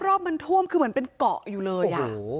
รอบมันท่วมคือเหมือนเป็นเกาะอยู่เลย